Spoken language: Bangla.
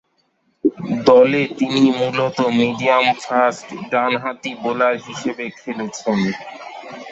দলে তিনি মূলতঃ মিডিয়াম-ফাস্ট, ডানহাতি বোলার হিসেবে খেলছেন।